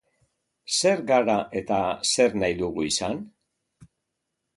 Zer gara eta zer nahi dugu izan?